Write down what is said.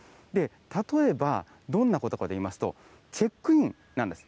例えばどんなことかといいますと、チェックインなんです。